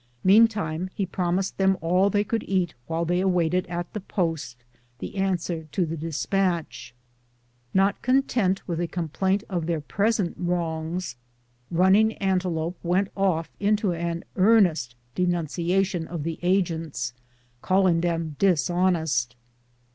Meantime, he promised them all they could eat while they awaited at the post the an swer to the despatch. Not content with a complaint of their present wrongs, Running Antelope went off into an earnest denunciation of the agents, calling them dis honest.